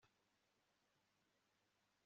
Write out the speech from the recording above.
Kandi yarekuye ibiti hepfo